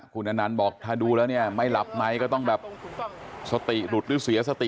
คุณอนันต์บอกถ้าดูแล้วเนี่ยไม่หลับไหมก็ต้องแบบสติหลุดหรือเสียสติ